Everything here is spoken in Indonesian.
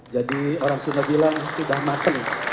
jadi orang sunda bilang sudah matang